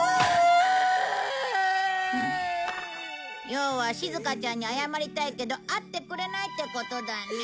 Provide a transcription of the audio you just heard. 要はしずかちゃんに謝りたいけど会ってくれないってことだね？